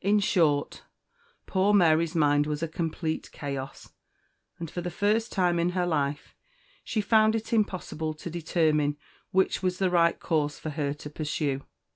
In short, poor Mary's mind was a complete chaos; and for the first time in her life she found it impossible to determine which was the right course for her to pursue.